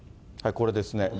これですね。